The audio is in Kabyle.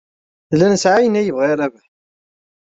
Nella nesɛa ayen ay yebɣa Rabaḥ.